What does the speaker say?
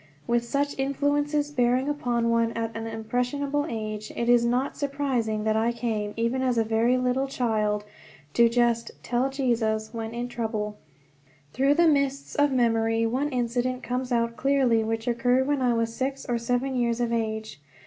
With such influences bearing upon one at an impressionable age, it is not surprising that I came even as a very little child to just "tell Jesus" when in trouble. Through the mists of memory one incident comes out clearly, which occurred when I was six or seven years of age.